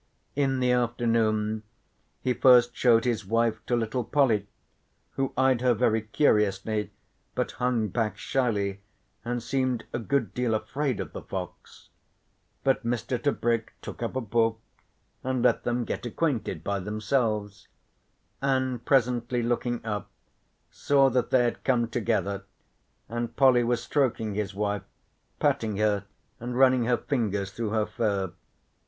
In the afternoon he first showed his wife to little Polly, who eyed her very curiously but hung back shyly and seemed a good deal afraid of the fox. But Mr. Tebrick took up a book and let them get acquainted by themselves, and presently looking up saw that they had come together and Polly was stroking his wife, patting her and running her fingers through her fur.